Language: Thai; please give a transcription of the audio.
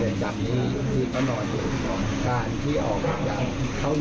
ซึ่งแปลกธูรต์ใจเราก็ต้องมาดูให้ทำให้ละเอียดทั้งหมด